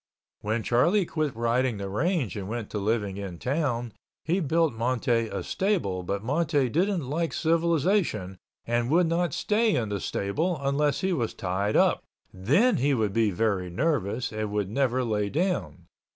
When Charlie quit riding the range and went to living in town, he built Monte a stable but Monte didn't like civilization and would not stay in the stable unless he was tied up, then he would be very nervous and would never lay down.